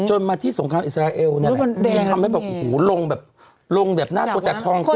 จนมาที่สงครามอิสราเอลทีนทำให้ลงแบบลงแบบหน้าตัวแต่ทองขึ้น